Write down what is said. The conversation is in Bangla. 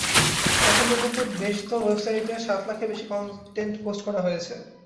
এখন পর্যন্ত বেশতোর ওয়েবসাইটে সাত লাখের বেশি কনটেন্ট পোস্ট করা হয়েছে।